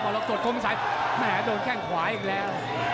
มรกฏคงใช้แหลมโดนแค่งขวาอีกแล้ว